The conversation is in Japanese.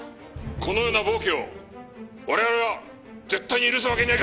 このような暴挙を我々は絶対に許すわけにはいかない！